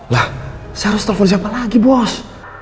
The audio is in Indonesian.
lah saya harus telepon siapa lagi bos